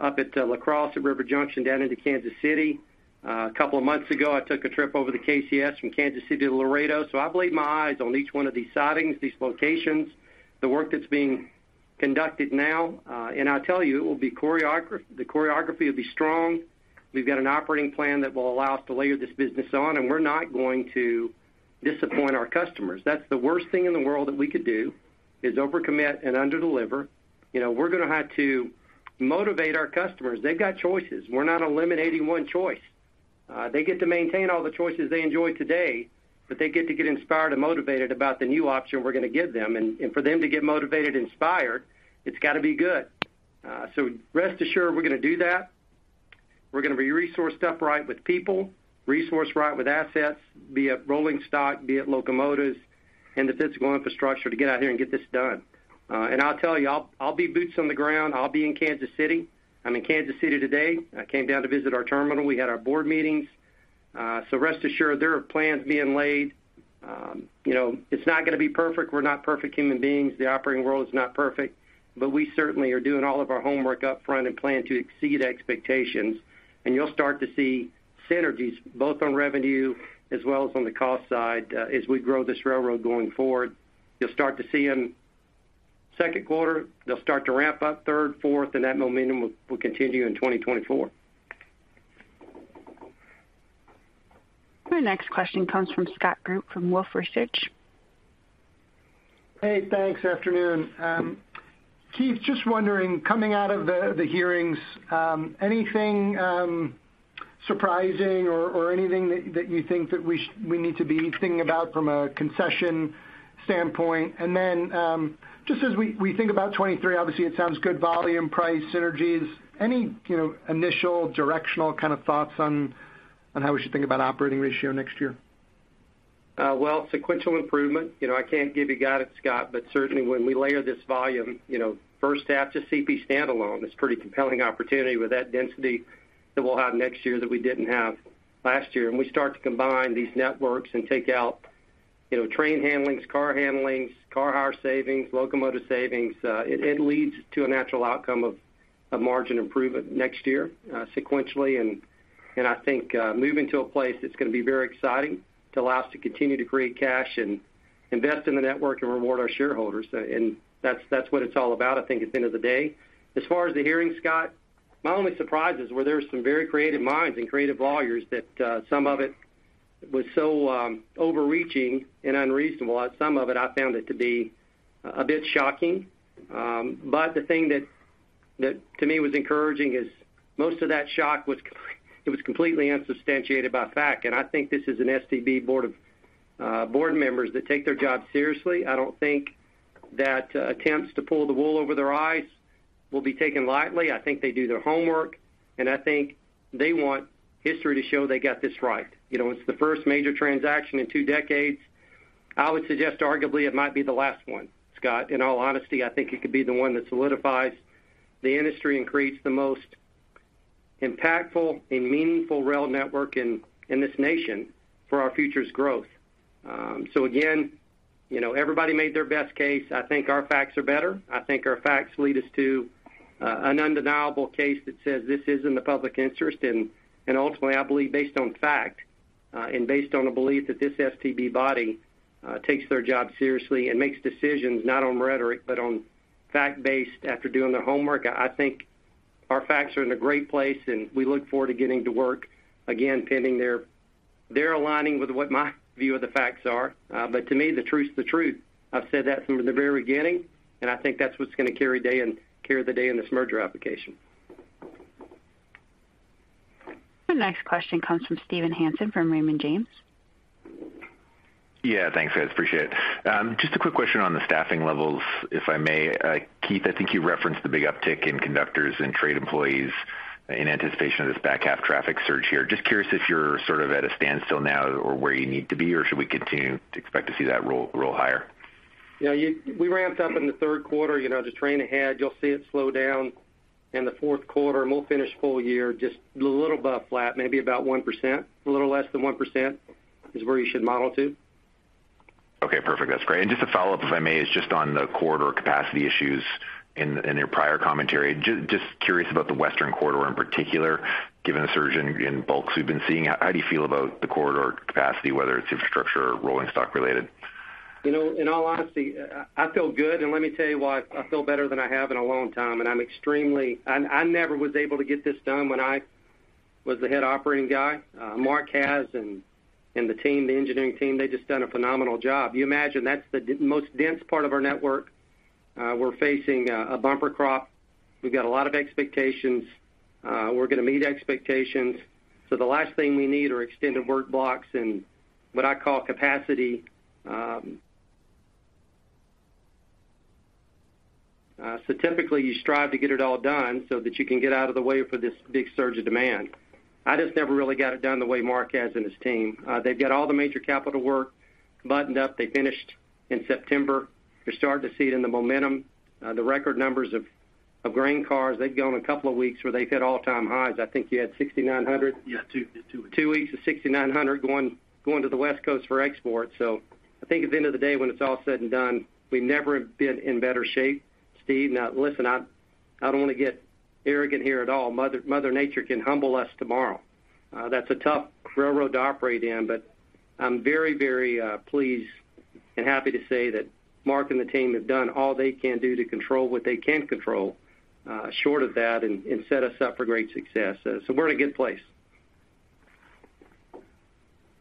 up at La Crosse at River Junction down into Kansas City. A couple of months ago, I took a trip over to KCS from Kansas City to Laredo. I believe my eyes on each one of these sidings, these locations, the work that's being conducted now. I'll tell you, the choreography will be strong. We've got an operating plan that will allow us to layer this business on, and we're not going to disappoint our customers. That's the worst thing in the world that we could do is over-commit and under-deliver. You know, we're gonna have to motivate our customers. They've got choices. We're not eliminating one choice. They get to maintain all the choices they enjoy today, but they get to get inspired and motivated about the new option we're gonna give them. For them to get motivated and inspired, it's gotta be good. Rest assured we're gonna do that. We're gonna be resourced up right with people, resourced right with assets, be it rolling stock, be it locomotives, and the physical infrastructure to get out here and get this done. I'll tell you, I'll be boots on the ground. I'll be in Kansas City. I'm in Kansas City today. I came down to visit our terminal. We had our board meetings. Rest assured, there are plans being laid. You know, it's not gonna be perfect. We're not perfect human beings. The operating world is not perfect. We certainly are doing all of our homework up front and plan to exceed expectations. You'll start to see synergies both on revenue as well as on the cost side as we grow this railroad going forward. You'll start to see in second quarter, they'll start to ramp up third, fourth, and that momentum will continue in 2024. Our next question comes from Scott Group from Wolfe Research. Hey, thanks. Afternoon. Keith, just wondering, coming out of the hearings, anything surprising or anything that you think that we need to be thinking about from a concession standpoint? Just as we think about 2023, obviously it sounds good, volume, price, synergies. Any, you know, initial directional kind of thoughts on how we should think about operating ratio next year? Well, sequential improvement. You know, I can't give you guidance, Scott, but certainly when we layer this volume, you know, first half to CP standalone is pretty compelling opportunity with that density that we'll have next year that we didn't have last year. We start to combine these networks and take out, you know, train handlings, car handlings, car hire savings, locomotive savings, it leads to a natural outcome of a margin improvement next year, sequentially. I think moving to a place that's gonna be very exciting to allow us to continue to create cash and invest in the network and reward our shareholders. That's what it's all about, I think, at the end of the day. As far as the hearing, Scott, my only surprise is there were some very creative minds and creative lawyers that some of it was so overreaching and unreasonable. Some of it I found it to be a bit shocking. The thing that to me was encouraging is most of that shock was completely unsubstantiated by fact. I think this is an STB board members that take their job seriously. I don't think that attempts to pull the wool over their eyes will be taken lightly. I think they do their homework, and I think they want history to show they got this right. You know, it's the first major transaction in two decades. I would suggest arguably it might be the last one, Scott. In all honesty, I think it could be the one that solidifies the industry and creates the most impactful and meaningful rail network in this nation for our future's growth. Again, you know, everybody made their best case. I think our facts are better. I think our facts lead us to an undeniable case that says this is in the public interest. Ultimately, I believe based on fact and based on a belief that this STB body takes their job seriously and makes decisions not on rhetoric, but on fact-based after doing their homework. I think our facts are in a great place, and we look forward to getting to work, again, pending their aligning with what my view of the facts are. To me, the truth's the truth. I've said that from the very beginning, and I think that's what's gonna carry the day in this merger application. The next question comes from Steve Hansen from Raymond James. Yeah, thanks, guys. Appreciate it. Just a quick question on the staffing levels, if I may. Keith, I think you referenced the big uptick in conductors and trade employees in anticipation of this back half traffic surge here. Just curious if you're sort of at a standstill now or where you need to be, or should we continue to expect to see that roll higher? Yeah, we ramped up in the third quarter. You know, the train ahead, you'll see it slow down in the fourth quarter, and we'll finish full year just a little above flat, maybe about 1%, a little less than 1% is where you should model to. Okay, perfect. That's great. Just a follow-up, if I may, is just on the corridor capacity issues in your prior commentary. Just curious about the Western Corridor in particular, given the surge in bulks we've been seeing. How do you feel about the corridor capacity, whether it's infrastructure or rolling stock related? You know, in all honesty, I feel good. Let me tell you why. I feel better than I have in a long time, and I'm extremely I never was able to get this done when I was the head operating guy. Mark has, and the team, the engineering team, they've just done a phenomenal job. You imagine that's the most dense part of our network. We're facing a bumper crop. We've got a lot of expectations. We're gonna meet expectations. The last thing we need are extended work blocks and what I call capacity. Typically you strive to get it all done so that you can get out of the way for this big surge of demand. I just never really got it done the way Mark has and his team. They've got all the major capital work buttoned up. They finished in September. You're starting to see it in the momentum, the record numbers of Of grain cars, they've gone a couple of weeks where they've hit all-time highs. I think you had 6,900. Yeah, two. Two weeks of 6,900 going to the West Coast for export. I think at the end of the day, when it's all said and done, we never have been in better shape. Steve. Now listen, I don't want to get arrogant here at all. Mother Nature can humble us tomorrow. That's a tough railroad to operate in, but I'm very pleased and happy to say that Mark and the team have done all they can do to control what they can control, short of that and set us up for great success. We're in a good place.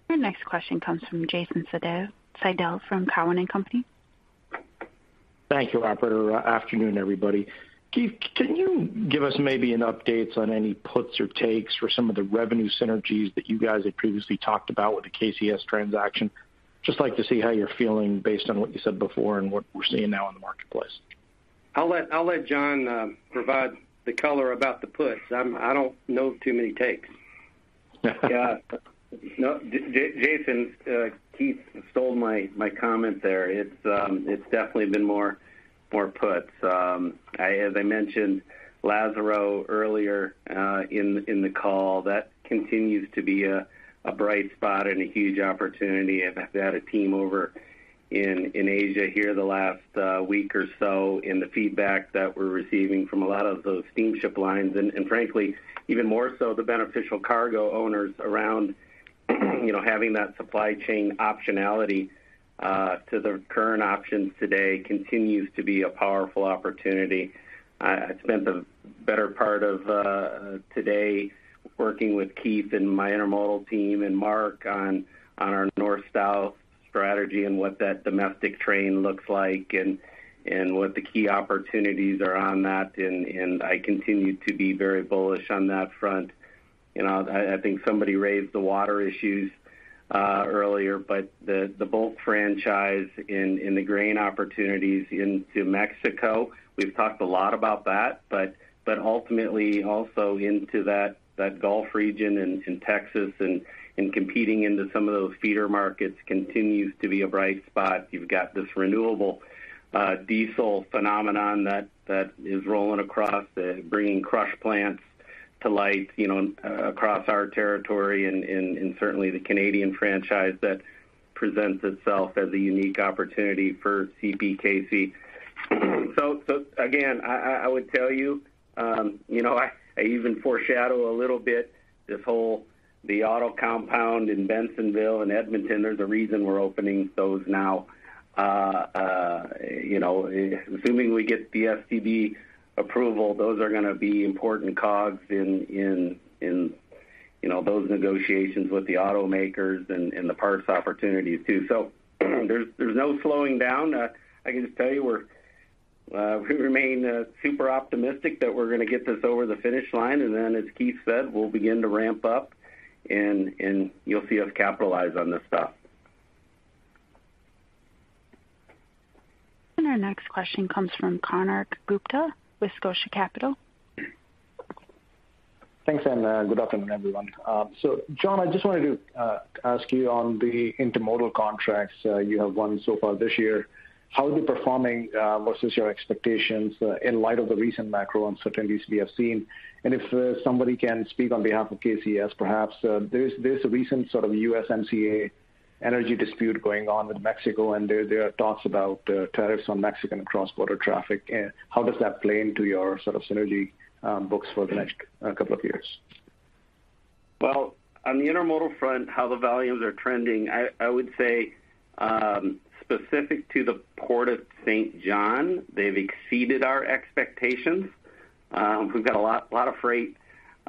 Our next question comes from Jason Seidl from TD Cowen. Thank you, operator. Afternoon, everybody. Keith, can you give us maybe an update on any puts or takes for some of the revenue synergies that you guys had previously talked about with the KCS transaction? Just like to see how you're feeling based on what you said before and what we're seeing now in the marketplace. I'll let John provide the color about the puts. I don't know too many takes. Yeah. No, Jason, Keith stole my comment there. It's definitely been more puts. As I mentioned Laredo earlier, in the call, that continues to be a bright spot and a huge opportunity. In fact, we had a team over in Asia here the last week or so, and the feedback that we're receiving from a lot of those steamship lines and frankly, even more so the beneficial cargo owners around, you know, having that supply chain optionality to the current options today continues to be a powerful opportunity. I spent the better part of today working with Keith and my intermodal team and Mark on our North-South strategy and what that domestic train looks like and what the key opportunities are on that. I continue to be very bullish on that front. You know, I think somebody raised the water issues earlier, but the bulk franchise in the grain opportunities into Mexico, we've talked a lot about that. Ultimately also into that Gulf region and in Texas and competing into some of those feeder markets continues to be a bright spot. You've got this renewable diesel phenomenon that is rolling across, bringing crush plants to light, you know, across our territory and certainly the Canadian franchise that presents itself as a unique opportunity for CPKC. Again, I would tell you know, I even foreshadow a little bit this whole auto compound in Bensenville and Edmonton. There's a reason we're opening those now. You know, assuming we get the STB approval, those are gonna be important cogs in you know, those negotiations with the automakers and the parts opportunities too. There's no slowing down. I can just tell you we remain super optimistic that we're gonna get this over the finish line, and then as Keith said, we'll begin to ramp up and you'll see us capitalize on this stuff. Our next question comes from Konark Gupta with Scotia Capital. Thanks and, good afternoon, everyone. John, I just wanted to ask you on the intermodal contracts you have won so far this year, how are they performing versus your expectations in light of the recent macro uncertainties we have seen? If somebody can speak on behalf of KCS, perhaps, there's a recent sort of USMCA energy dispute going on with Mexico, and there are talks about tariffs on Mexican cross-border traffic. How does that play into your sort of synergy books for the next couple of years? Well, on the intermodal front, how the volumes are trending, I would say, specific to the Port of Saint John, they've exceeded our expectations. We've got a lot of freight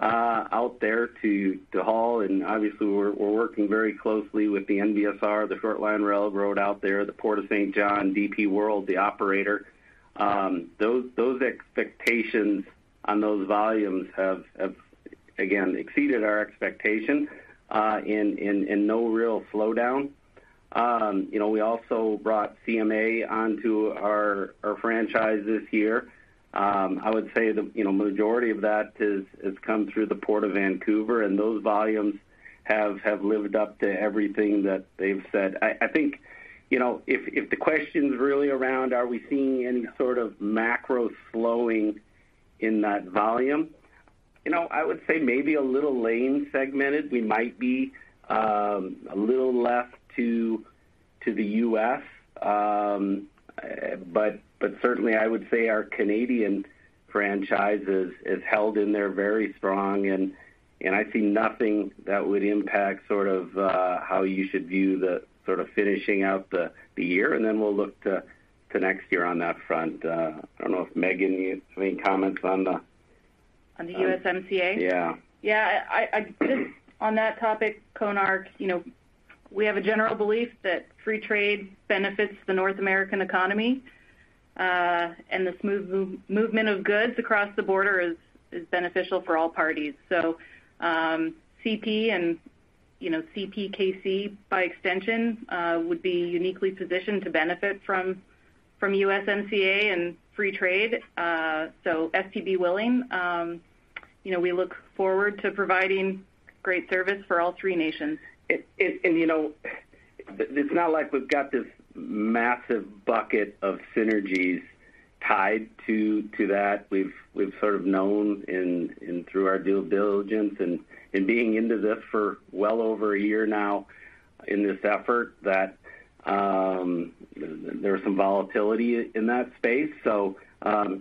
out there to haul, and obviously we're working very closely with the NBSR, the short line railroad out there, the Port of Saint John, DP World, the operator. Those expectations on those volumes have, again, exceeded our expectation, and no real slowdown. You know, we also brought CMA onto our franchise this year. I would say the, you know, majority of that has come through the Port of Vancouver, and those volumes have lived up to everything that they've said. I think, you know, if the question's really around are we seeing any sort of macro slowing in that volume, you know, I would say maybe a little lane segmented. We might be a little less to the U.S. But certainly I would say our Canadian franchise is held in there very strong and I see nothing that would impact sort of how you should view the sort of finishing out the year. We'll look to next year on that front. I don't know if Maeghan, you have any comments on the- On the USMCA? Yeah. Yeah. I just on that topic, Konark, you know, we have a general belief that free trade benefits the North American economy, and the smooth movement of goods across the border is beneficial for all parties. CP and, you know, CPKC by extension, would be uniquely positioned to benefit from USMCA and free trade. STB willing, you know, we look forward to providing great service for all three nations. It, it and you know- It's not like we've got this massive bucket of synergies tied to that. We've sort of known in through our due diligence and being into this for well over a year now in this effort that there's some volatility in that space. You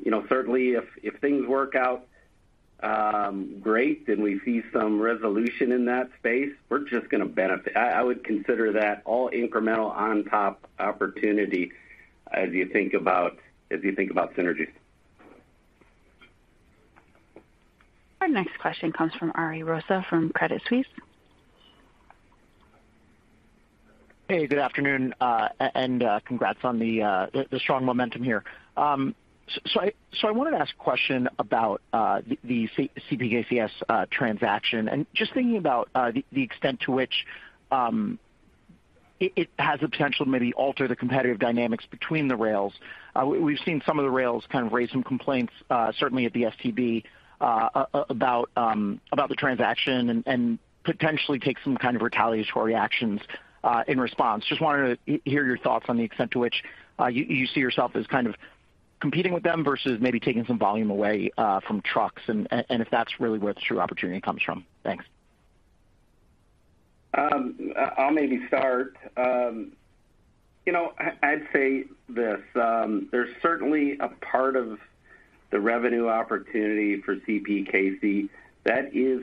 know, certainly if things work out great and we see some resolution in that space, we're just gonna benefit. I would consider that all incremental on top opportunity as you think about synergies. Our next question comes from Ari Rosa from Credit Suisse. Hey, good afternoon, and congrats on the strong momentum here. I wanted to ask a question about the CPKC transaction and just thinking about the extent to which it has the potential to maybe alter the competitive dynamics between the rails. We've seen some of the rails kind of raise some complaints, certainly at the STB, about the transaction and potentially take some kind of retaliatory actions in response. Just wanted to hear your thoughts on the extent to which you see yourself as kind of competing with them versus maybe taking some volume away from trucks and if that's really where the true opportunity comes from. Thanks. I'll maybe start. You know, I'd say this, there's certainly a part of the revenue opportunity for CPKC that is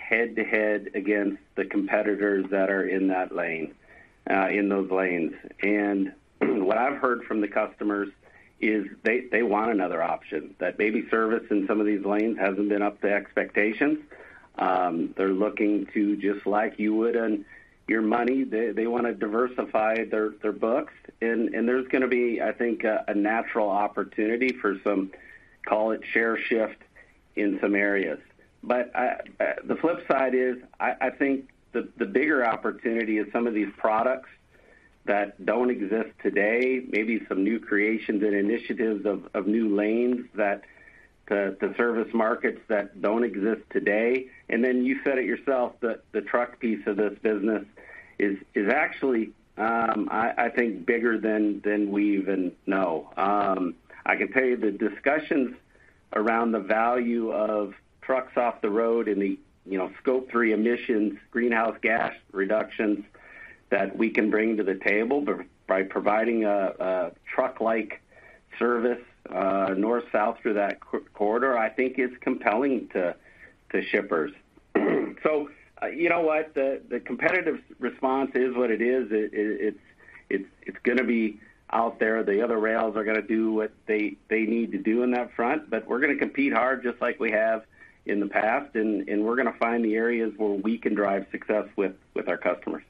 head to head against the competitors that are in that lane, in those lanes. What I've heard from the customers is they want another option. That maybe service in some of these lanes hasn't been up to expectations. They're looking to just like you would in your money, they want to diversify their books. And there's gonna be, I think, a natural opportunity for some call it share shift in some areas. The flip side is, I think the bigger opportunity is some of these products that don't exist today, maybe some new creations and initiatives of new lanes to service markets that don't exist today. You said it yourself, the truck piece of this business is actually, I think bigger than we even know. I can tell you the discussions around the value of trucks off the road in the, you know, Scope 3 emissions, greenhouse gas reductions that we can bring to the table by providing a truck-like service, North-South through that corridor, I think is compelling to shippers. You know what? The competitive response is what it is. It's gonna be out there. The other rails are gonna do what they need to do on that front, but we're gonna compete hard just like we have in the past, and we're gonna find the areas where we can drive success with our customers.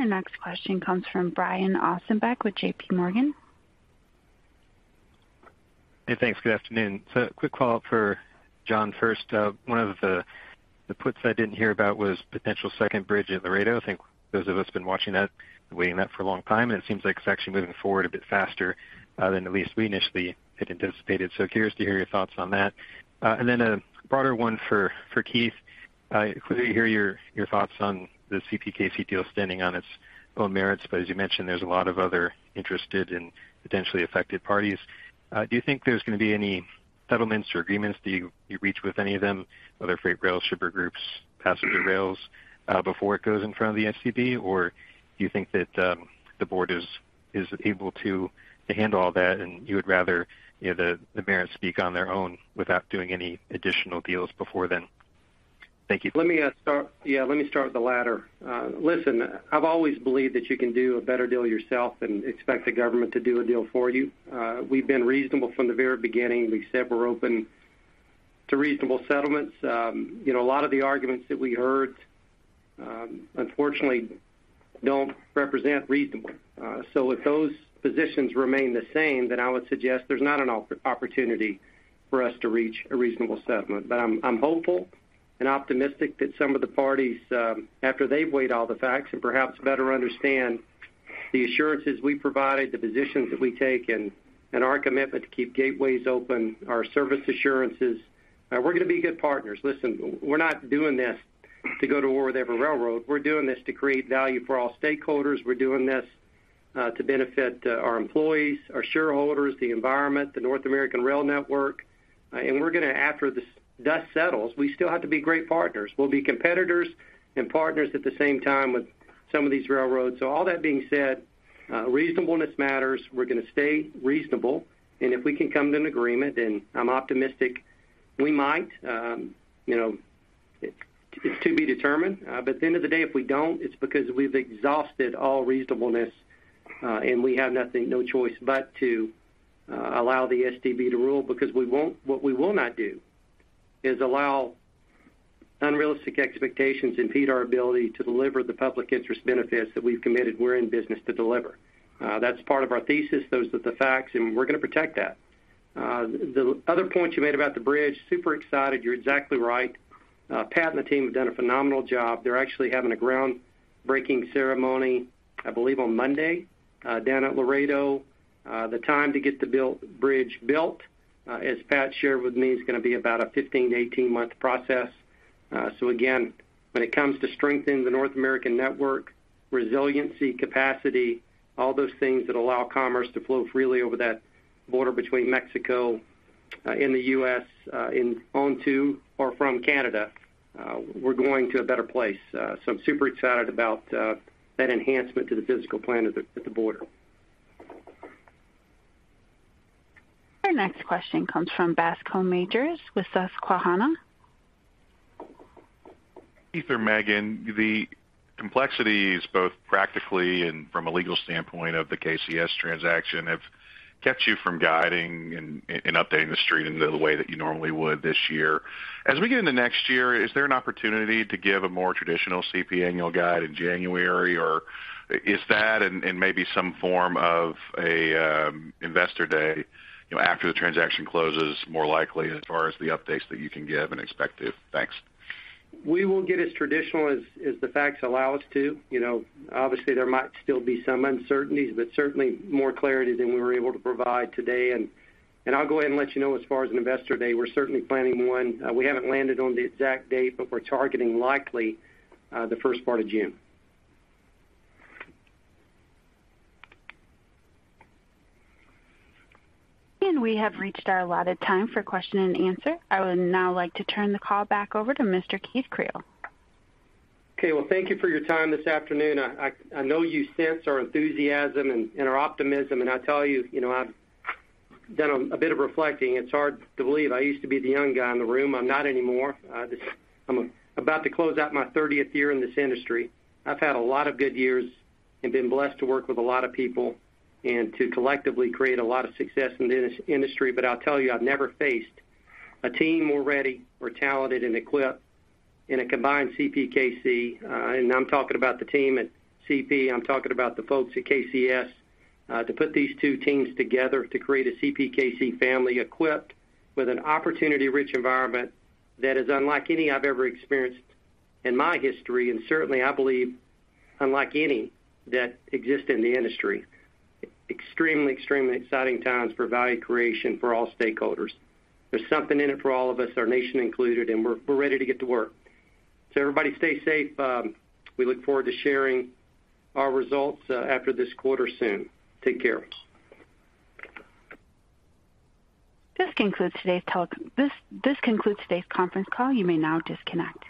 Our next question comes from Brian Ossenbeck with JP Morgan. Hey, thanks. Good afternoon. Quick follow-up for John first. One of the puts I didn't hear about was potential second bridge at Laredo. I think those of us been watching that, been waiting that for a long time, and it seems like it's actually moving forward a bit faster than at least we initially had anticipated. Curious to hear your thoughts on that. A broader one for Keith. Clearly heard your thoughts on the CPKC deal standing on its own merits, but as you mentioned, there's a lot of other interested and potentially affected parties. Do you think there's gonna be any settlements or agreements that you reach with any of them, other freight rail shipper groups, passenger rails, before it goes in front of the STB? Do you think that the board is able to handle all that and you would rather, you know, the merits speak on their own without doing any additional deals before then? Thank you. Let me start with the latter. Listen, I've always believed that you can do a better deal yourself than expect the government to do a deal for you. We've been reasonable from the very beginning. We said we're open to reasonable settlements. You know, a lot of the arguments that we heard, unfortunately don't represent reasonable. If those positions remain the same, then I would suggest there's not an opportunity for us to reach a reasonable settlement. I'm hopeful and optimistic that some of the parties, after they've weighed all the facts and perhaps better understand the assurances we've provided, the positions that we take and our commitment to keep gateways open, our service assurances, we're gonna be good partners. Listen, we're not doing this to go to war with every railroad. We're doing this to create value for all stakeholders. We're doing this to benefit our employees, our shareholders, the environment, the North American rail network. After the dust settles, we still have to be great partners. We'll be competitors and partners at the same time with some of these railroads. All that being said, reasonableness matters. We're gonna stay reasonable. If we can come to an agreement, and I'm optimistic we might, you know, it's to be determined. At the end of the day, if we don't, it's because we've exhausted all reasonableness, and we have nothing, no choice but to allow the STB to rule because what we will not do is allow unrealistic expectations impede our ability to deliver the public interest benefits that we've committed we're in business to deliver. That's part of our thesis. Those are the facts, and we're gonna protect that. The other point you made about the bridge, super excited. You're exactly right. Pat and the team have done a phenomenal job. They're actually having a groundbreaking ceremony, I believe, on Monday, down at Laredo. The time to get the bridge built, as Pat shared with me, is gonna be about a 15- to 18-month process. Again, when it comes to strengthening the North American network, resiliency, capacity, all those things that allow commerce to flow freely over that border between Mexico and the U.S. in to or from Canada, we're going to a better place. I'm super excited about that enhancement to the physical plant at the border. Our next question comes from Bascome Majors with Susquehanna. Keith and Maeghan, the complexities, both practically and from a legal standpoint, of the KCS transaction have kept you from guiding and updating The Street in the way that you normally would this year. As we get into next year, is there an opportunity to give a more traditional CP annual guide in January? Or is that and maybe some form of an investor day, you know, after the transaction closes more likely as far as the updates that you can give and expect to? Thanks. We will get as traditional as the facts allow us to. You know, obviously, there might still be some uncertainties, but certainly more clarity than we were able to provide today. I'll go ahead and let you know as far as an investor day, we're certainly planning one. We haven't landed on the exact date, but we're targeting likely the first part of June. We have reached our allotted time for question and answer. I would now like to turn the call back over to Mr. Keith Creel. Okay. Well, thank you for your time this afternoon. I know you sense our enthusiasm and our optimism. I tell you know, I've done a bit of reflecting. It's hard to believe I used to be the young guy in the room. I'm not anymore. I'm about to close out my 30th year in this industry. I've had a lot of good years and been blessed to work with a lot of people and to collectively create a lot of success in this industry. I'll tell you, I've never faced a team more ready or talented and equipped in a combined CPKC, and I'm talking about the team at CP, I'm talking about the folks at KCS, to put these two teams together to create a CPKC family equipped with an opportunity-rich environment that is unlike any I've ever experienced in my history, and certainly, I believe, unlike any that exist in the industry. Extremely exciting times for value creation for all stakeholders. There's something in it for all of us, our nation included, and we're ready to get to work. Everybody stay safe. We look forward to sharing our results after this quarter soon. Take care. This concludes today's conference call. You may now disconnect.